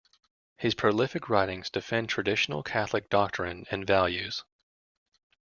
His prolific writings defend traditional Catholic doctrine and values.